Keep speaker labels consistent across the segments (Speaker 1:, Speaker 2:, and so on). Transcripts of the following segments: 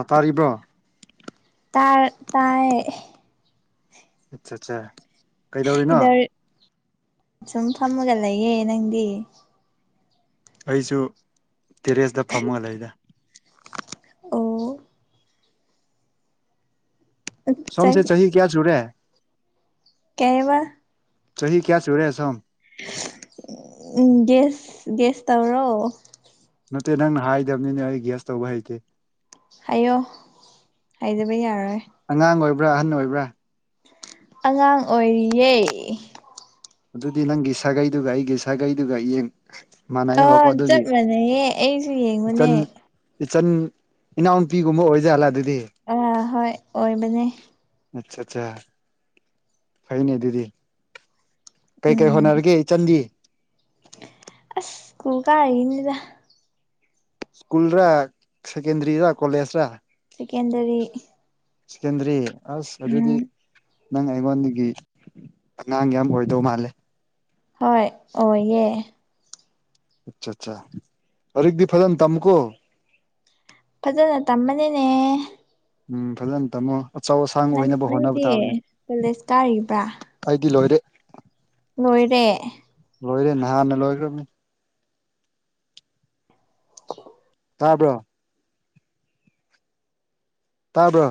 Speaker 1: ꯑ ꯇꯥꯔꯤꯕ꯭ꯔꯣ
Speaker 2: ꯇꯥꯔꯦ ꯇꯥꯏ
Speaker 1: ꯑꯆꯥ ꯑꯆꯥ
Speaker 2: [unintelligible] ꯁꯨꯝ ꯐꯝꯃꯒ ꯂꯩꯌꯦ ꯅꯪꯗꯤ
Speaker 1: ꯑꯩꯁꯨ ꯇꯦꯔꯦꯁꯇ ꯐꯝꯃꯒ ꯂꯩꯗ
Speaker 2: ꯑꯣ ꯆꯥꯛ
Speaker 1: ꯁꯣꯝꯁꯦ ꯆꯍꯤ ꯀꯌꯥ ꯁꯨꯔꯦ
Speaker 2: ꯀꯩꯕ
Speaker 1: ꯆꯍꯤ ꯀꯌꯥ ꯁꯨꯔꯦ ꯁꯣꯝ
Speaker 2: ꯎꯝ ꯒꯦꯁ ꯒꯦꯁ ꯇꯧꯔꯣ
Speaker 1: ꯅꯠꯇꯦ ꯅꯪꯅ ꯍꯥꯏꯗꯕꯅꯤꯅꯦ ꯑꯩ ꯒꯦꯁ ꯇꯧꯕ ꯍꯩꯇꯦ
Speaker 2: ꯍꯥꯏꯌꯣ ꯍꯥꯏꯗꯕ ꯌꯥꯔꯣꯏ
Speaker 1: ꯑꯉꯥꯡ ꯑꯣꯏꯕ꯭ꯔꯥ ꯑꯍꯟ ꯑꯣꯏꯕ꯭ꯔꯥ
Speaker 2: ꯑꯉꯥꯡ ꯑꯣꯏꯔꯤꯌꯦ
Speaker 1: ꯑꯗꯨꯗꯤ ꯅꯪꯒꯤ ꯁꯥꯒꯩꯗꯨꯒ ꯑꯩꯒꯤ ꯁꯥꯒꯩꯗꯨꯒ ꯌꯦꯡ ꯃꯥꯟꯅꯩꯌꯦꯕꯀꯣ
Speaker 2: ꯑꯥ
Speaker 1: ꯑꯗꯨꯒꯤ
Speaker 2: ꯆꯞ ꯃꯥꯟꯅꯩꯌꯦ ꯑꯩꯁꯨ ꯌꯦꯡꯕꯅꯦ
Speaker 1: ꯏꯆꯟ ꯏꯆꯟ ꯏꯅꯥꯎ ꯅꯨꯄꯤꯒꯨꯝꯕ ꯑꯣꯏꯖꯥꯠꯂ ꯑꯗꯨꯗꯤ
Speaker 2: ꯑꯥ ꯍꯣꯏ ꯑꯣꯏꯕꯅꯦ
Speaker 1: ꯑꯠꯆꯥ ꯑꯆꯥ ꯐꯩꯅꯦ ꯑꯗꯨꯗꯤ ꯀꯩ ꯀꯩ
Speaker 2: ꯎꯝ
Speaker 1: ꯍꯣꯠꯅꯔꯤꯒꯦ ꯢꯆꯥꯟꯗꯤ
Speaker 2: ꯑꯁ ꯀꯨꯜ ꯀꯥꯔꯤꯅꯤꯗꯥ
Speaker 1: ꯁ꯭ꯀꯨꯜ ꯔ ꯁꯦꯀꯦꯟꯗꯔꯤ ꯔ ꯀꯂꯦꯖ ꯔ
Speaker 2: ꯁꯦꯀꯦꯟꯗꯔꯤ
Speaker 1: ꯁꯦꯀꯦꯟꯗ꯭ꯔꯤ ꯑꯁ ꯑꯗꯨꯗꯤ
Speaker 2: ꯎꯝ
Speaker 1: ꯅꯪ ꯑꯩꯉꯣꯟꯗꯒꯤ ꯑꯉꯥꯡ ꯌꯥꯝ ꯑꯣꯏꯗꯧ ꯃꯥꯜꯂꯦ
Speaker 2: ꯍꯣꯏ ꯑꯣꯢꯌꯦ
Speaker 1: ꯑꯆꯥ ꯆꯥ ꯂꯥꯏꯔꯤꯛꯇꯤ ꯐꯖꯅ ꯇꯝꯃꯨꯀꯣ
Speaker 2: ꯐꯖꯅ ꯇꯝꯕꯅꯤꯅꯦ
Speaker 1: ꯎꯝ ꯐꯖꯅ ꯇꯥꯝꯃꯣ ꯑꯆꯧ ꯑꯁꯥꯡ
Speaker 2: ꯅꯪ
Speaker 1: ꯑꯣꯏꯅꯕ ꯍꯣꯠꯅꯕ
Speaker 2: ꯅꯪꯗꯤ
Speaker 1: ꯇꯥꯕꯅꯦ
Speaker 2: ꯀꯣꯂꯦꯖ ꯀꯥꯔꯤꯕ꯭ꯔꯥ
Speaker 1: ꯑꯩꯗꯤ ꯂꯣꯏꯔꯦ
Speaker 2: ꯂꯣꯏꯔꯦ
Speaker 1: ꯂꯣꯏꯔꯦ ꯅꯍꯥꯟꯅ ꯂꯣꯏꯈ꯭ꯔꯝꯅꯤ ꯇꯥꯕ꯭ꯔꯣ ꯇꯥꯕ꯭ꯔꯣ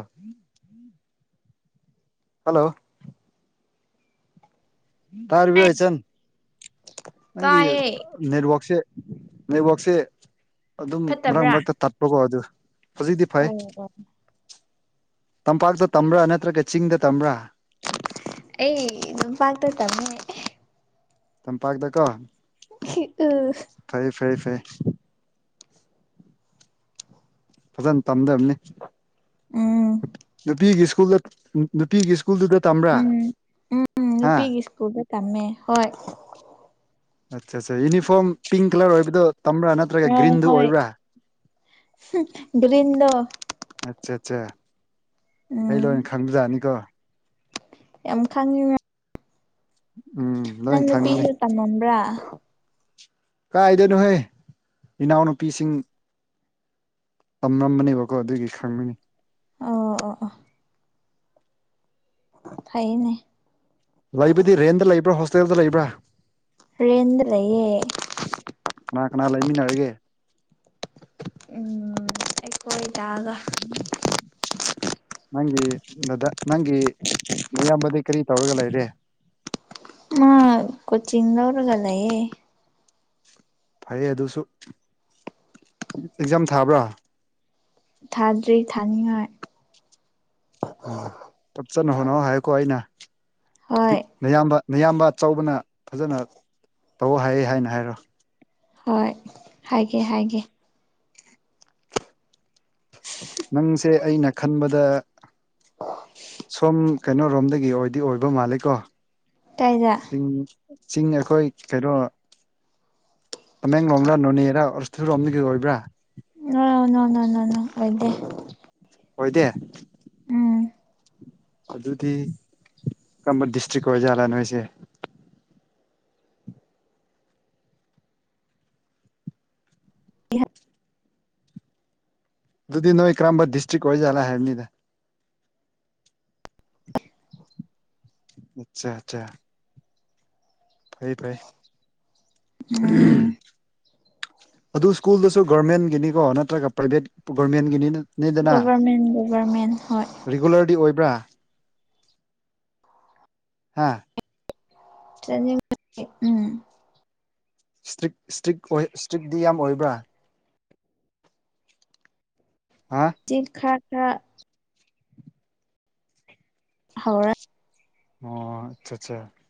Speaker 1: ꯍꯜꯂꯣ ꯇꯥꯔꯤꯕꯔ ꯏꯆꯟ ꯅꯪꯒꯤ
Speaker 2: ꯀꯥꯏꯌꯦ
Speaker 1: ꯅꯦꯠꯋꯥꯛꯁꯦ ꯅꯦꯠꯋꯥꯛꯁꯦ ꯑꯗꯨꯝ ꯃꯔꯛ
Speaker 2: ꯐꯠꯇꯕ꯭ꯔꯥ
Speaker 1: ꯃꯔꯛꯇ ꯇꯠꯄꯀꯣ ꯑꯗꯨ ꯍꯧꯖꯤꯛꯇꯤ ꯐꯩ
Speaker 2: ꯑꯣ ꯑꯣ
Speaker 1: ꯇꯝꯄꯥꯛꯇ ꯇꯝꯕ꯭ꯔꯥ ꯅꯠꯇ꯭ꯔꯒ ꯆꯤꯡꯗ ꯇꯝꯕ꯭ꯔꯥ
Speaker 2: ꯑꯩ ꯇꯝꯄꯥꯛꯇ ꯇꯝꯃꯦ
Speaker 1: ꯇꯝꯄꯥꯏ ꯗꯀꯣ
Speaker 2: [unintelligible]
Speaker 1: ꯐꯩ ꯐꯩ ꯐꯩ ꯐꯖꯅ ꯇꯝꯗꯝꯅꯤ
Speaker 2: ꯎꯝ
Speaker 1: ꯅꯨꯄꯤꯒꯤ ꯁ꯭ꯀꯨꯜꯗ ꯅꯨꯄꯤꯒꯤ ꯏꯁ ꯁꯀꯨꯜꯗꯨꯗ ꯇꯝ
Speaker 2: ꯎꯝ ꯎꯝ ꯅꯨꯄꯤꯒꯤ ꯁꯀꯨꯜꯗ ꯇꯝꯃꯦ ꯍꯣꯏ
Speaker 1: ꯑꯆꯥ ꯑꯆꯥ ꯌꯨꯅꯤꯐꯣꯔꯝ ꯄꯤꯡ ꯀꯥꯂꯔ ꯑꯣꯏꯕꯗꯣ ꯇꯝꯕ꯭ꯔꯥ ꯅꯠꯇ꯭ꯔꯒ
Speaker 2: ꯑꯥ
Speaker 1: ꯒ꯭ꯔꯤꯟꯗꯨ
Speaker 2: ꯍꯣꯏ
Speaker 1: ꯑꯣꯏꯕ꯭ꯔꯥ
Speaker 2: ꯒꯔꯤꯟ ꯗꯣ
Speaker 1: ꯑꯆꯥ ꯑꯆꯥ ꯑꯩ ꯂꯣꯏ
Speaker 2: ꯎꯝ
Speaker 1: ꯈꯪꯕ ꯖꯥꯠꯅꯤꯀꯣ
Speaker 2: ꯌꯥꯝ ꯈꯪꯉꯤꯅ
Speaker 1: ꯎꯝ
Speaker 2: ꯅꯪ
Speaker 1: ꯂꯣꯏꯅ ꯈꯪꯒꯅꯤ
Speaker 2: ꯅꯨꯄꯤꯁꯨ ꯇꯝꯃꯝꯕ꯭ꯔꯥ
Speaker 1: ꯀꯥꯏꯗꯅꯣꯍꯦ ꯏꯅꯥꯎ ꯅꯨꯄꯤꯁꯤꯡ ꯇꯝꯂꯝꯕꯅꯦꯕꯀꯣ ꯑꯗꯨꯒꯤ ꯈꯪꯕꯅꯤ
Speaker 2: ꯑꯣ ꯑꯣ ꯐꯩꯅꯦ
Speaker 1: ꯂꯩꯕꯗꯤ ꯔꯦꯟꯗ ꯂꯩꯕ꯭ꯔꯥ ꯍꯣꯁꯇꯦꯜꯗ ꯂꯩꯕ꯭ꯔꯥ
Speaker 2: ꯔꯦꯟꯗ ꯂꯩꯌꯦ
Speaker 1: ꯀꯅꯥ ꯀꯅꯥ ꯂꯩꯃꯤꯟꯅꯔꯒꯦ
Speaker 2: ꯎꯝ ꯑꯩꯈꯣꯏ ꯗꯥꯒ
Speaker 1: ꯅꯪꯒꯤꯗ ꯅꯪꯒꯤ ꯏꯌꯥꯝꯕꯗꯤ ꯀꯔꯤ ꯇꯧꯔꯒ ꯂꯩꯔꯤ
Speaker 2: ꯃꯥ ꯀꯣꯆꯤꯡ ꯂꯧꯔ ꯂꯩꯌꯦ
Speaker 1: ꯐꯩꯌꯦ ꯑꯗꯨꯁꯨ ꯑꯦꯛꯖꯥꯝ ꯊꯥꯕ꯭ꯔꯥ
Speaker 2: ꯊꯥꯗ꯭ꯔꯤ ꯊꯥꯅꯤꯡꯉꯥꯢ
Speaker 1: ꯎꯝ ꯐꯖꯥꯖ ꯍꯣꯠꯅꯧ ꯍꯥꯏꯌꯣꯀꯣ ꯑꯩꯅ
Speaker 2: ꯍꯣꯏ
Speaker 1: ꯅꯌꯥꯝꯕ ꯅꯌꯥꯝꯕ ꯑꯆꯧꯕꯅ ꯐꯖꯅ ꯇꯧ ꯍꯥꯏꯌꯦ ꯍꯥꯏꯅ ꯍꯥꯏꯔꯣ
Speaker 2: ꯍꯣꯏ ꯍꯥꯏꯒꯦ ꯍꯥꯏꯒꯦ [unintelligible]
Speaker 1: ꯅꯪꯁꯦ ꯑꯩꯅ ꯈꯟꯕꯗ ꯁꯣꯝ ꯀꯩꯅꯣꯔꯣꯝꯗꯒꯤ ꯑꯣꯏꯗꯤ ꯑꯣꯏꯕ ꯃꯥꯜꯂꯦꯀꯣ
Speaker 2: ꯀꯥꯏꯗ
Speaker 1: ꯆꯤꯡ ꯆꯤꯡ ꯑꯩꯈꯣꯏ ꯀꯩꯅꯣ ꯇꯃꯦꯡꯂꯣꯡꯂ ꯅꯣꯅꯦꯔꯥ ꯎꯔꯁꯨꯔꯣꯝꯒꯤ ꯑꯣꯏꯕ꯭ꯔꯥ
Speaker 2: ꯅꯣ ꯅꯣ ꯅꯣ ꯑꯣꯢꯗꯦ
Speaker 1: ꯑꯣꯏꯗꯦ
Speaker 2: ꯎꯝ
Speaker 1: ꯑꯗꯨꯗꯤ ꯀꯔꯝꯕ ꯗꯤꯁꯇ꯭ꯔꯤꯛ ꯑꯣꯏꯖꯥꯠꯂꯥ ꯅꯣꯏꯁꯦ ꯑꯗꯨꯗꯤ ꯅꯣꯏ ꯀꯔꯝꯕ ꯗꯤꯁꯇ꯭ꯔꯤꯛ ꯑꯣꯏꯖꯠꯂ ꯍꯥꯏꯕꯅꯤꯗ ꯑꯆꯥ ꯑꯆꯥ ꯐꯩ ꯐꯩ
Speaker 2: ꯎꯝ
Speaker 1: ꯑꯗꯨ ꯁ꯭ꯀꯨꯜꯗꯁꯨ ꯒꯣꯔꯃꯦꯟꯒꯤꯅꯤꯀꯣ ꯅꯠꯇ꯭ꯔꯒ ꯄ꯭ꯔꯥꯏꯚꯦꯠ ꯒꯣꯔꯃꯦꯟꯒꯤꯅꯤꯅ
Speaker 2: ꯒꯣꯚꯔꯃꯦꯟ ꯒꯣꯚꯔꯃꯦꯟ ꯍꯣꯏ
Speaker 1: ꯔꯤꯒꯨꯂꯔꯗꯤ ꯑꯣꯏꯕ꯭ꯔꯥ ꯍꯥꯥ
Speaker 2: ꯆꯠꯅꯤꯡ ꯎꯝ
Speaker 1: ꯏꯁꯇ꯭ꯔꯤꯛ ꯏꯁꯇ꯭ꯔꯤꯛ ꯑꯣꯏ ꯏꯁꯇ꯭ꯔꯤꯛꯇꯤ ꯌꯥꯝ ꯑꯣꯏꯕ꯭ꯔꯥ ꯍꯥ
Speaker 2: ꯏꯁꯇ꯭ꯔꯤꯛ ꯈꯔ ꯈꯔ ꯍꯧꯔꯦ
Speaker 1: ꯑꯣ ꯑꯆꯥ ꯑꯆꯥ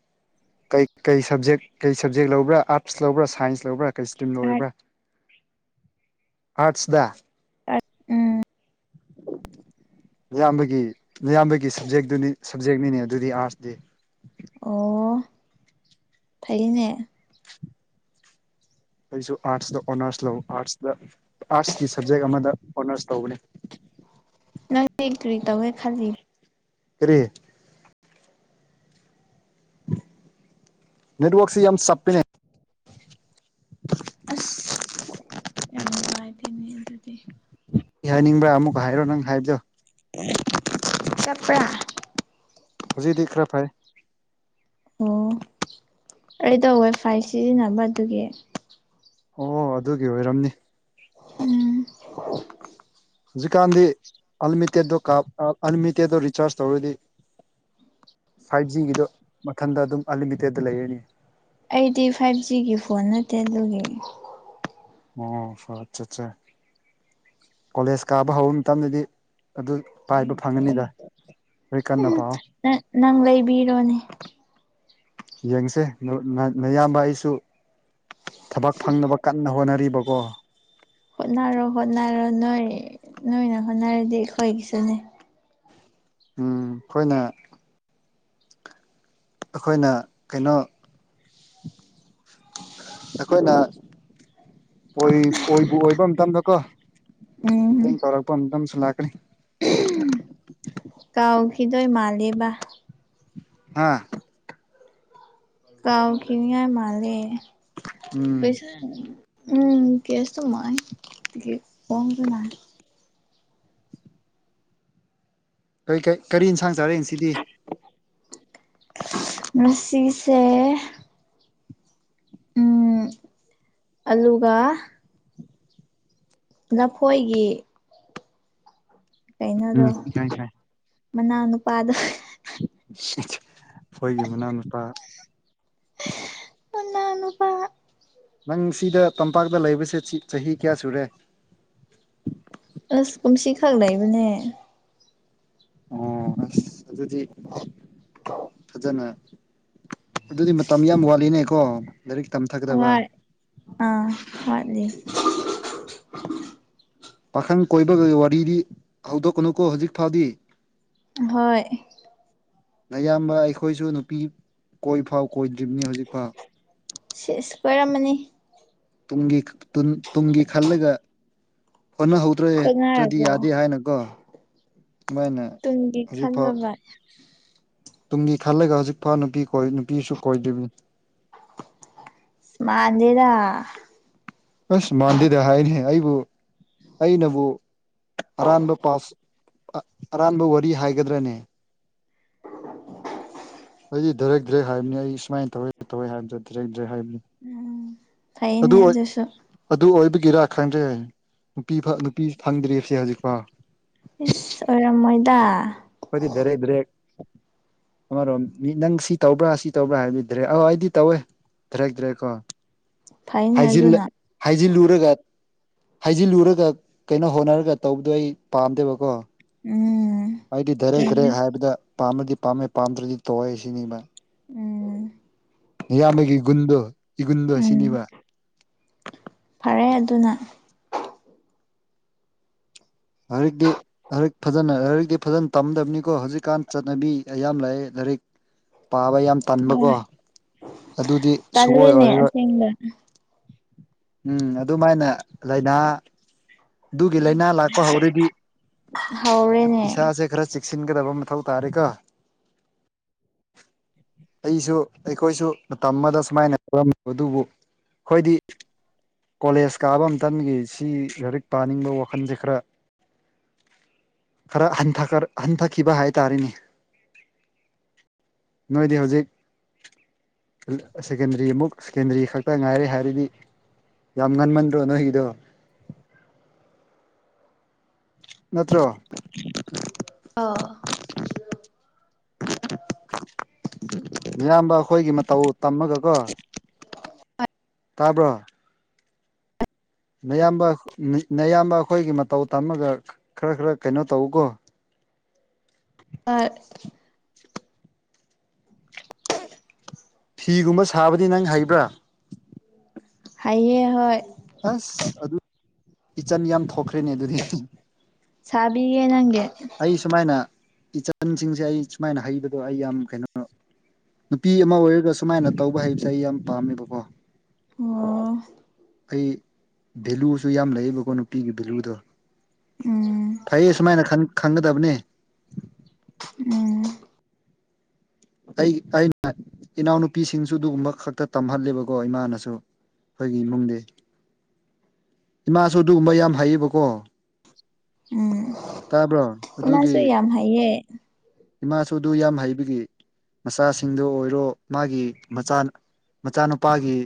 Speaker 1: ꯀꯩ ꯀꯩ ꯁꯞꯖꯦꯛ ꯀꯩ ꯁꯞꯖꯦꯛ ꯂꯧꯕ꯭ꯔꯥ ꯑꯥꯔꯠꯁ ꯂꯧꯕ꯭ꯔꯥ ꯁꯥꯏꯟꯁ ꯂꯧꯕ꯭ꯔꯥ ꯀꯩ ꯁ꯭ꯇꯔꯤꯝ
Speaker 2: ꯈꯔ
Speaker 1: ꯂꯧꯋꯦꯕ ꯑꯥꯔꯠꯁꯗ
Speaker 2: ꯑꯥꯔꯠꯁ ꯎꯝ
Speaker 1: ꯏꯌꯥꯝꯕꯒꯤ ꯅꯌꯥꯝꯕꯒꯤ ꯁꯞꯖꯦꯛꯇꯨꯅꯤ ꯁꯞꯖꯦꯛꯅꯤꯅꯦ ꯑꯗꯨꯗꯤ ꯑꯥꯔꯠꯁꯇꯤ
Speaker 2: ꯑꯣ ꯐꯩꯅꯦ
Speaker 1: ꯑꯩꯁꯨ ꯑꯥꯔꯠꯁꯇ ꯑꯣꯅꯔꯁ ꯂꯧ ꯑꯥꯔꯠꯁꯇ ꯑꯥꯔꯠꯁꯀꯤ ꯁꯕꯖꯦꯛ ꯑꯃꯗ ꯑꯣꯅꯔꯁ ꯇꯧꯕꯅꯦ
Speaker 2: ꯅꯪꯗꯤ ꯀꯔꯤ ꯇꯧꯒꯦ ꯈꯜꯂꯤ
Speaker 1: ꯀꯔꯤ ꯅꯠꯋꯔꯛꯁꯦ ꯌꯥꯝ ꯆꯞꯄꯦ
Speaker 2: ꯑꯁ ꯅꯦ ꯑꯗꯨꯗꯤ [unintelligible]
Speaker 1: ꯀꯩ ꯍꯥꯏꯅꯤꯡꯕ꯭ꯔꯥ ꯑꯃꯨꯛꯀ ꯍꯥꯏꯔꯣ ꯅꯪ ꯍꯥꯏꯕꯗꯣ
Speaker 2: ꯆꯞꯄꯦ
Speaker 1: ꯍꯧꯖꯤꯛꯇꯤ ꯈꯔ ꯐꯩ
Speaker 2: ꯑꯣ ꯑꯩꯗꯣ ꯋꯥꯏꯐꯥꯏ ꯁꯤꯖꯤꯟꯅꯕ ꯑꯗꯨꯒꯤ
Speaker 1: ꯑꯣ ꯑꯗꯨꯒꯤ ꯑꯣꯏꯔꯝꯅꯤ
Speaker 2: ꯎꯝ
Speaker 1: ꯍꯧꯖꯤꯛꯀꯥꯟꯗꯤ ꯑꯜꯂꯤꯃꯤꯇꯦꯠꯇꯣ ꯀꯥꯞ ꯑꯜꯂꯤꯃꯤꯇꯦꯠꯇꯣ ꯔꯤꯆꯥꯔꯖ ꯇꯧꯔꯗꯤ ꯐꯥꯏꯚ ꯖꯤꯒꯤꯗꯣ ꯃꯊꯟꯇ ꯑꯗꯨꯝ ꯑꯟꯂꯤꯃꯤꯇꯦꯗꯇ ꯂꯩꯔꯅꯤ
Speaker 2: ꯑꯩꯗꯤ ꯐꯥꯏꯚ ꯖꯤꯒꯤ ꯐꯣꯟ ꯅꯠꯇꯦ ꯑꯗꯨꯒꯤ
Speaker 1: ꯑꯣ ꯑꯠꯆꯥ ꯑꯠꯆꯥ ꯀꯣꯂꯦꯖ ꯀꯥꯕ ꯍꯧꯕ ꯃꯇꯝꯗꯗꯤ ꯑꯗꯨ ꯄꯥꯏꯕ ꯐꯪꯉꯅꯤꯗ ꯂꯥꯢꯔꯤꯛ ꯀꯟꯅ
Speaker 2: ꯎꯝ
Speaker 1: ꯄꯥꯎ
Speaker 2: ꯅꯪ ꯂꯩꯕꯤꯔꯣꯅꯦ
Speaker 1: ꯌꯦꯡꯁꯦ ꯅꯌꯥꯝꯕ ꯑꯩꯁꯨ ꯊꯕꯛ ꯐꯪꯅꯕ ꯀꯟꯅ ꯍꯣꯠꯅꯔꯤꯕꯀꯣ
Speaker 2: ꯍꯣꯠꯅꯔꯣ ꯍꯣꯠꯅꯔꯣ ꯅꯣꯏ ꯅꯣꯏꯅ ꯍꯣꯠꯅꯔꯗꯤ ꯑꯩꯈꯣꯏꯒꯤꯁꯨꯅꯤ
Speaker 1: ꯎꯝ ꯑꯩꯈꯣꯏꯅ ꯑꯩꯈꯣꯏꯅ ꯀꯩꯅꯣ ꯑꯩꯈꯣꯏꯅ ꯑꯣꯏꯕꯨ ꯑꯣꯏꯕ ꯃꯇꯝꯗꯀꯣ ꯃꯇꯦꯡ
Speaker 2: ꯎꯝ
Speaker 1: ꯇꯧꯔꯛꯄ ꯃꯇꯝꯁꯨ ꯂꯥꯛꯀꯅꯤ
Speaker 2: ꯀꯥꯎꯈꯤꯗꯣꯏ ꯃꯥꯜꯂꯦꯕ
Speaker 1: ꯍꯥꯥ
Speaker 2: ꯀꯥꯎꯈꯤꯅꯤꯉꯥꯢ ꯃꯥꯜꯂꯦ
Speaker 1: ꯎꯝ
Speaker 2: ꯎꯝ ꯀꯦꯁ ꯇ [unintelligible] ꯃꯥꯏ ꯀꯃꯁꯨꯅꯥꯏ
Speaker 1: ꯀꯩꯀꯩ ꯀꯔꯤ ꯏꯟꯁꯥꯡ ꯆꯥꯔꯦ ꯉꯁꯤꯗꯤ
Speaker 2: ꯉꯁꯤꯁꯦ ꯎꯝ ꯑꯂꯨꯒ ꯂꯐꯣꯏꯒꯤ ꯀꯩꯅꯣꯗꯣ
Speaker 1: ꯎꯝ ꯏꯀꯥꯏ ꯏꯀꯥꯏ
Speaker 2: ꯃꯅꯥꯎꯅꯨꯄꯥꯗꯣ
Speaker 1: [unintelligible] ꯈꯣꯏꯒꯤ ꯃꯅꯥꯎꯅꯨꯄꯥ
Speaker 2: ꯃꯅꯥꯎꯅꯨꯄꯥ
Speaker 1: ꯅꯪ ꯁꯤꯗ ꯇꯝꯄꯥꯛꯇ ꯂꯩꯕꯁꯦ ꯆꯍꯤ ꯀꯌꯥ ꯁꯨꯔꯦ
Speaker 2: ꯑꯁ ꯀꯨꯝꯁꯤ ꯈꯛ ꯂꯩꯕꯅꯦ
Speaker 1: ꯑꯣ ꯑꯁ ꯑꯗꯨꯗꯤ ꯐꯖꯅ ꯑꯗꯨꯗꯤ ꯃꯇꯝ ꯌꯥꯝ ꯋꯥꯠꯂꯤꯅꯦꯀꯣ ꯂꯥꯏꯔꯤꯛ ꯇꯝꯊꯥꯒꯗꯕ
Speaker 2: ꯍꯣꯏ ꯑꯥ ꯋꯥꯠꯂꯤ
Speaker 1: ꯄꯥꯈꯪ ꯀꯣꯏꯕꯒꯤ ꯋꯥꯔꯤꯗꯤ ꯍꯧꯗꯣꯛꯀꯅꯨꯀꯣ ꯍꯧꯖꯤꯛ ꯐꯥꯎꯗꯤ
Speaker 2: ꯍꯣꯏ
Speaker 1: ꯅꯌꯥꯝꯕ ꯑꯩꯈꯣꯏꯁꯨ ꯅꯨꯄꯤ ꯀꯣꯏꯐꯥꯎ ꯀꯣꯏꯗ꯭ꯔꯤꯝꯅꯤ ꯍꯧꯖꯤꯛꯐꯥꯎ
Speaker 2: ꯁꯤꯁ ꯀꯣꯏꯔꯝꯃꯅꯤ
Speaker 1: ꯨꯇꯨꯡꯒꯤ ꯇꯨꯡꯒꯤ ꯈꯜꯂꯒ ꯍꯣꯠꯅꯍꯧ ꯇ꯭ꯔꯦ ꯇ꯭ꯔꯗꯤ
Speaker 2: ꯀꯣꯏꯅꯔꯕꯣ
Speaker 1: ꯌꯥꯗꯦ ꯍꯥꯏꯅꯀꯣ ꯑꯗꯨꯃꯥꯏꯅ ꯍꯧꯖꯤꯛꯐꯥꯎ
Speaker 2: ꯋꯥꯠ
Speaker 1: ꯇꯨꯡꯒꯤ ꯈꯜꯂꯒ ꯍꯧꯖꯤꯛꯐꯥꯎ ꯅꯨꯄꯤ ꯀꯣꯏ ꯅꯨꯄꯤꯁꯨ ꯀꯣꯏꯗ꯭ꯔꯤꯕꯅꯤ
Speaker 2: ꯃꯟꯗꯦꯗ
Speaker 1: ꯑꯁ ꯃꯥꯟꯗꯦꯗ ꯍꯥꯏꯅꯦꯍꯦ ꯑꯩꯕꯨ ꯑꯩꯅꯕꯨ ꯑꯔꯥꯟꯕ ꯄꯥꯁ ꯑꯔꯥꯟꯕ ꯋꯥꯔꯤ ꯍꯥꯏꯒꯗ꯭ꯔꯅꯦ ꯑꯩꯗꯤ ꯗꯥꯏꯔꯦꯛ ꯗꯥꯏꯔꯦꯛ ꯍꯥꯏꯕꯅꯤ ꯑꯩ ꯁꯨꯃꯥꯏ ꯇꯧꯋꯦ ꯇꯧꯔꯦ ꯍꯥꯏꯕꯗꯣ ꯗꯥꯏꯔꯦꯛ ꯗꯥꯏꯔꯦꯛ ꯍꯥꯏꯕꯅꯤ
Speaker 2: ꯎꯝ ꯐꯩꯅꯦ
Speaker 1: ꯑꯗꯨ
Speaker 2: ꯑꯗꯨꯁꯨ
Speaker 1: ꯑꯗꯨ ꯑꯣꯏꯕꯒꯤꯔ ꯈꯪꯗ꯭ꯔꯦ ꯅꯨꯄꯤ ꯅꯨꯄꯤ ꯐꯪꯗ꯭ꯔꯤꯁꯦ ꯍꯧꯖꯤꯛꯐꯥꯎ
Speaker 2: ꯏꯁ ꯑꯣꯏꯔꯝꯃꯣꯏꯗꯥ
Speaker 1: ꯈꯣꯏꯗꯤ ꯗꯥꯏꯔꯦꯛ ꯗꯥꯏꯔꯦꯛ ꯑꯃꯔꯣꯝ ꯃꯤ ꯅꯪ ꯁꯤ ꯇꯧꯕ꯭ꯔꯥ ꯁꯤ ꯇꯧꯕ꯭ꯔꯥ ꯍꯥꯏꯕꯤꯗ꯭ꯔꯦ ꯑꯥ ꯑꯩꯗꯤ ꯇꯧꯋꯦ ꯗꯥꯏꯔꯦꯛ ꯗ꯭ꯔꯦꯛꯀꯣ
Speaker 2: ꯐꯩꯅꯦ
Speaker 1: ꯍꯥꯏꯖꯤꯜ
Speaker 2: ꯑꯗꯨꯅ
Speaker 1: ꯍꯥꯏꯖꯤꯜꯂꯨꯔꯒ ꯍꯩꯖꯤꯜꯂꯨꯔꯒ ꯀꯩꯅꯣ ꯍꯣꯠꯅꯔꯒ ꯇꯧꯕꯗꯣ ꯑꯩ ꯄꯥꯝꯗꯦꯕꯀꯣ
Speaker 2: ꯎꯝ
Speaker 1: ꯑꯩꯗꯤ ꯗꯥꯏꯔꯦꯛ ꯗꯥꯏꯔꯦꯛ
Speaker 2: ꯆꯨꯝꯃꯤ
Speaker 1: ꯍꯥꯏꯕꯗ ꯄꯥꯝꯃꯗꯤ ꯄꯥꯝꯃꯦ ꯄꯥꯝꯗ꯭ꯔꯥꯗꯤ ꯇꯧꯑꯦ ꯁꯤꯅꯤꯕ
Speaker 2: ꯎꯝ
Speaker 1: ꯅꯌꯥꯝꯕꯒꯤ ꯒꯨꯟꯗꯣ ꯏꯒꯨꯟꯗꯣ ꯁꯤꯅꯤꯕ
Speaker 2: ꯐꯥꯔꯦ ꯑꯗꯨꯅ
Speaker 1: [unintelligible] ꯂꯥꯏꯔꯤꯛ ꯐꯖꯅ ꯂꯥꯏꯔꯤꯛꯇꯤ ꯐꯖꯅ ꯇꯝꯗꯧꯅꯤꯀꯣ ꯍꯧꯖꯤꯛꯀꯥꯟ ꯆꯠꯅꯕꯤ ꯌꯥꯝ ꯂꯥꯛꯑꯦ ꯂꯥꯏꯔꯤꯛ ꯄꯥꯕ ꯌꯥꯝ ꯇꯟꯕꯀꯣ
Speaker 2: ꯍꯣꯏ
Speaker 1: ꯑꯗꯨꯗꯤ ꯁꯨꯛꯑꯣꯏ
Speaker 2: ꯇꯜꯂꯦꯅꯦ
Speaker 1: ꯑꯣꯏꯔꯥꯔꯣꯏ
Speaker 2: [unintelligible]
Speaker 1: ꯎꯝ ꯑꯗꯨꯃꯥꯏꯅ ꯂꯩꯅꯥ ꯗꯨꯒꯤ ꯂꯩꯅꯥ ꯂꯥꯛꯄ ꯍꯧꯔꯗꯤ
Speaker 2: ꯍꯧꯔꯦꯅꯦ
Speaker 1: ꯏꯁꯥꯁꯦ ꯈꯔꯥ ꯆꯦꯛ ꯁꯤꯟꯒꯗꯕ ꯃꯊꯧ ꯇꯥꯔꯦꯀꯣ ꯑꯩꯁꯨ ꯑꯩꯈꯣꯏꯁꯨ ꯃꯇꯝ ꯑꯃꯗ ꯁꯨꯃꯥꯏꯅ ꯇꯧꯔꯝꯃꯤ ꯑꯗꯨꯕꯨ ꯈꯣꯏꯗꯤ ꯀꯣꯂꯦꯖ ꯀꯥꯕ ꯃꯇꯝꯒꯤ ꯁꯤ ꯂꯥꯏꯔꯤꯛ ꯄꯥꯅꯤꯡꯕ ꯋꯥꯈꯜꯖꯦ ꯈꯔ ꯈꯔ ꯍꯟꯊ ꯍꯟꯊꯈꯤꯕ ꯍꯥꯏꯇꯥꯔꯦꯅꯦ ꯅꯣꯏꯗꯤ ꯍꯧꯖꯤꯛ ꯁꯦꯀꯦꯟꯗꯔꯤꯃꯨꯛ ꯁꯦꯀꯦꯟꯗꯔꯤ ꯈꯛꯇ ꯉꯥꯏꯔꯦ ꯍꯥꯏ ꯑꯗꯨꯗꯤ ꯌꯥꯝ ꯉꯟꯃꯟꯗ꯭ꯔꯣ ꯅꯣꯏꯒꯤꯗꯣ ꯅꯠꯇ꯭ꯔꯣ
Speaker 2: ꯑꯥꯎ
Speaker 1: ꯃꯤꯌꯥꯝꯕ ꯑꯩꯈꯣꯏꯒꯤ ꯃꯇꯧ ꯇꯝꯃꯒ ꯀꯣ ꯇꯥꯕ꯭ꯔꯣ ꯅꯌꯥꯝꯕ ꯅꯌꯥꯝꯕ ꯑꯩꯈꯣꯏꯒꯤ ꯃꯇꯧ ꯇꯝꯃꯒ ꯈꯔ ꯈꯔ ꯀꯩꯅꯣ ꯇꯧꯋꯣꯀꯣ
Speaker 2: ꯍꯣꯢ
Speaker 1: ꯐꯤꯒꯨꯝꯕ ꯁꯥꯕꯗꯤ ꯅꯪ ꯍꯩꯕ꯭ꯔꯥ
Speaker 2: ꯍꯥꯏꯌꯦ ꯍꯣꯏ
Speaker 1: ꯑꯁ ꯑꯗꯨ ꯏꯆꯟ ꯌꯥꯝ ꯊꯣꯛꯈ꯭ꯔꯦꯅꯦ ꯑꯗꯨꯗꯤ
Speaker 2: ꯁꯥꯕꯤꯒꯦ ꯅꯪꯒꯤ
Speaker 1: ꯑꯩ ꯁꯨꯃꯥꯏꯅ ꯏꯆꯟꯁꯤꯡꯁꯦ ꯑꯩ ꯁꯨꯃꯥꯏꯅ ꯍꯩꯕꯗꯣ ꯑꯩ ꯌꯥꯝ ꯀꯩꯅꯣ ꯅꯨꯄꯤ ꯑꯃ ꯑꯣꯏꯔꯒ ꯁꯨꯃꯥꯏꯅ ꯇꯧꯕ ꯍꯩꯕꯁꯦ ꯑꯩ ꯌꯥꯝ ꯄꯥꯝꯃꯦꯕꯀꯣ
Speaker 2: ꯑꯣ
Speaker 1: ꯑꯩ ꯚꯦꯂꯨꯁꯨ ꯌꯥꯝ ꯂꯩꯌꯦꯕꯀꯣ ꯅꯨꯄꯤꯒꯤ ꯚꯦꯂꯨꯗꯣ
Speaker 2: ꯎꯝ
Speaker 1: ꯐꯩꯌꯦ ꯁꯨꯃꯥꯏꯅ ꯈꯪꯒꯗꯕꯅꯦ
Speaker 2: ꯎꯝ
Speaker 1: ꯑꯩ ꯑꯩꯅ ꯏꯅꯥꯎꯅꯨꯄꯤꯁꯤꯡꯁꯨ ꯑꯗꯨꯒꯨꯝꯕ ꯈꯛꯇ ꯇꯝꯍꯜꯂꯦꯕꯀꯣ ꯏꯃꯥꯅꯁꯨ ꯑꯩꯈꯣꯏꯒꯤ ꯏꯃꯨꯡꯗꯤ ꯏꯃꯥꯁꯨ ꯑꯗꯨꯒꯨꯝꯕ ꯌꯥꯝ ꯍꯩꯌꯦꯕꯀꯣ
Speaker 2: ꯎꯝ
Speaker 1: ꯇꯥꯕ꯭ꯔꯣ
Speaker 2: ꯅꯁꯨ
Speaker 1: ꯑꯗꯨꯒꯤ
Speaker 2: ꯌꯥꯝ ꯍꯥꯏꯌꯦ
Speaker 1: ꯏꯃꯥꯁꯨ ꯑꯗꯨ ꯌꯥꯝ ꯍꯩꯕꯒꯤ ꯃꯆꯥꯁꯤꯡꯗꯣ ꯑꯣꯏꯔꯣ ꯃꯥꯒꯤ ꯃꯆꯥ ꯃꯆꯥꯅꯨꯄꯥꯒꯤ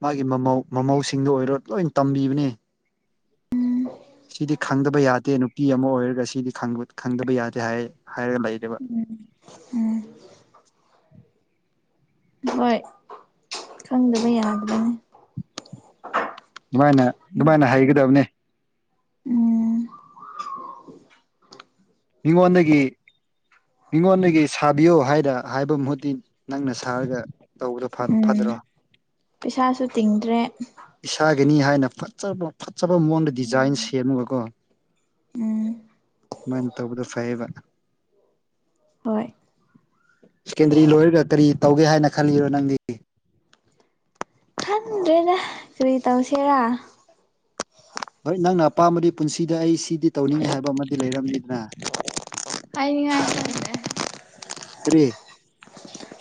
Speaker 1: ꯃꯥꯒꯤ ꯃꯃꯧ ꯃꯃꯧꯁꯤꯡꯗ ꯑꯣꯏꯔꯣ ꯂꯣꯏ ꯇꯝꯕꯤꯕꯅꯦ ꯁꯤꯗꯤ ꯈꯪꯗꯕ ꯌꯥꯗꯦ ꯅꯨꯄꯤ ꯑꯃ ꯑꯣꯏꯔꯒ ꯁꯤꯗꯤ ꯈꯪꯗꯕ ꯌꯥꯗꯦ ꯍꯥꯏꯔꯒ ꯂꯩꯔꯦꯕ
Speaker 2: ꯎꯝ ꯎꯝ ꯍꯣꯏ ꯈꯪꯗꯕ ꯌꯥꯗ꯭ꯔꯤꯅꯦ
Speaker 1: ꯑꯗꯨꯃꯥꯏꯅ ꯑꯗꯨꯃꯥꯏꯅ ꯍꯩꯒꯗꯕꯅꯦ
Speaker 2: ꯎꯝ
Speaker 1: ꯃꯤꯉꯣꯟꯗꯒꯤ ꯃꯤꯉꯣꯟꯗꯒꯤ ꯁꯥꯕꯤꯌꯣ ꯍꯥꯏꯅ ꯍꯥꯏꯕ ꯃꯍꯨꯠꯇꯤ ꯅꯪꯅ ꯁꯥꯔꯒ ꯇꯧꯕꯗꯣ ꯐꯠ
Speaker 2: ꯎꯝ
Speaker 1: ꯐꯠꯗ꯭ꯔꯣ
Speaker 2: ꯄꯩꯁꯥꯁꯨ ꯇꯤꯡꯗ꯭ꯔꯦ
Speaker 1: ꯏꯁꯥꯒꯤꯅꯤ ꯍꯥꯏꯅ ꯐꯕ ꯐꯖꯕ ꯃꯉꯣꯟꯗ ꯗꯤꯖꯥꯏꯟ
Speaker 2: ꯎꯝ
Speaker 1: ꯁꯦꯝꯃꯒꯀꯣ
Speaker 2: ꯎꯝ
Speaker 1: ꯃꯣꯏꯅ ꯇꯧꯕꯗꯣ ꯐꯩꯌꯦꯕ
Speaker 2: ꯍꯣꯏ
Speaker 1: ꯁꯦꯀꯦꯟꯗꯔꯤ ꯂꯣꯏꯔꯒ ꯀꯔꯤ ꯇꯧꯒꯦ ꯍꯥꯏꯅ ꯈꯜꯂꯤꯔꯣ ꯅꯪꯗꯤ
Speaker 2: ꯈꯪꯗ꯭ꯔꯦꯗ ꯀꯔꯤ ꯇꯧꯁꯦꯔꯥ
Speaker 1: ꯍꯣꯏ ꯅꯪꯅ ꯑꯄꯥꯝꯕꯗꯤ ꯄꯨꯟꯁꯤꯗ ꯑꯩ ꯁꯤꯗꯤ ꯇꯧꯅꯤꯡꯉꯦ ꯍꯥꯏꯕ ꯑꯃꯗꯤ ꯂꯩꯔꯝꯅꯤꯗꯅ
Speaker 2: ꯍꯥꯏꯅꯤꯡꯉꯥꯢ
Speaker 1: ꯀꯔꯤ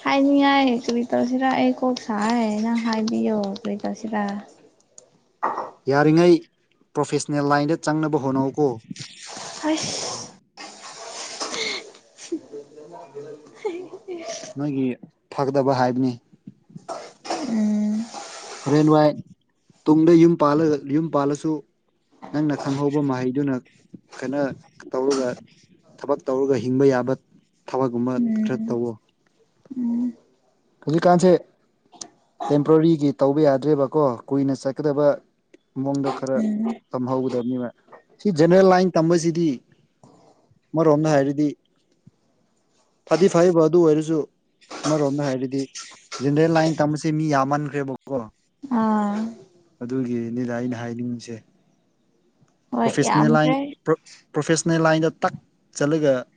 Speaker 2: ꯍꯥꯏꯅꯤꯡꯉꯥꯏ ꯀꯔꯤ ꯇꯧꯁꯤꯔꯥ ꯑꯩ ꯀꯣꯛ ꯁꯥꯏꯌꯦ ꯅꯪ ꯍꯥꯏꯕꯤꯌꯣ ꯀꯔꯤ ꯇꯧꯁꯤꯔꯥ
Speaker 1: ꯌꯥꯔꯤꯉꯩ ꯄ꯭ꯔꯣꯐꯦꯁꯅꯦꯜ ꯂꯥꯏꯟꯗ ꯆꯪꯅꯕ ꯍꯣꯠꯅꯧꯀꯣ
Speaker 2: ꯍꯣꯏ [unintelligible] [inaudible] [unintelligible]
Speaker 1: ꯅꯣꯏꯒꯤ ꯐꯗꯕ ꯍꯥꯏꯕꯅꯦ꯫
Speaker 2: ꯎꯝ
Speaker 1: ꯍꯣꯔꯦꯟ ꯋꯥꯏ ꯇꯨꯡꯗ ꯌꯨꯝꯄꯥꯜꯂꯒ ꯌꯨꯝ ꯄꯥꯜꯂꯁꯨ꯫ ꯅꯪꯅ ꯈꯪꯍꯧꯕ ꯃꯍꯩꯗꯨꯅ ꯀꯩꯅꯣ ꯇꯧꯔꯒ ꯊꯕꯛ ꯇꯧꯔꯒ ꯍꯤꯡꯕ ꯌꯥꯕ ꯊꯕꯛꯒꯨꯝꯕ
Speaker 2: ꯎꯝ
Speaker 1: ꯈꯔ ꯇꯧꯋꯣ꯫
Speaker 2: ꯎꯝ
Speaker 1: ꯍꯧꯖꯤꯛꯀꯥꯟꯁꯦ ꯇꯦꯝꯄꯔꯔꯤꯒꯤ ꯇꯧꯕ ꯌꯥꯗ꯭ꯔꯦꯕꯀꯣ ꯀꯨꯏꯅ ꯆꯠꯀꯗꯕ ꯃꯑꯣꯡꯗ ꯈꯔ
Speaker 2: ꯎꯝ
Speaker 1: ꯇꯝꯍꯧꯒꯗꯕꯅꯤꯕ ꯁꯤ ꯖꯦꯅꯔꯦꯜ ꯂꯥꯏꯟ ꯇꯝꯕꯁꯤꯗꯤ ꯑꯃꯔꯣꯗ ꯍꯥꯏꯔꯗꯤ ꯐꯗꯤ ꯐꯩꯕ ꯑꯗꯨ ꯑꯣꯏꯔꯁꯨ ꯑꯃꯔꯣꯝꯗ ꯍꯥꯏꯔ ꯗꯤ ꯖꯦꯟꯗꯔꯦꯜ ꯂꯥꯏꯟ ꯇꯝꯕꯁꯦ ꯃꯤ ꯌꯥꯝꯃꯟꯈ꯭ꯔꯦꯕꯀꯣ꯫
Speaker 2: ꯑꯥ
Speaker 1: ꯑꯗꯨꯒꯤꯅꯤꯗ ꯑꯩꯅ ꯍꯥꯏꯅꯤꯡꯁꯦ꯫
Speaker 2: ꯍꯣꯏ
Speaker 1: ꯄ꯭ꯔꯣꯐꯦꯁꯅꯦꯜ ꯂꯥꯏꯟ
Speaker 2: ꯌꯥꯝꯈ꯭ꯔꯦ
Speaker 1: ꯄ꯭ꯔꯣꯐꯦꯁꯟꯅꯦꯜ ꯂꯥꯏꯟꯗ ꯇꯛ ꯆꯠꯂꯒ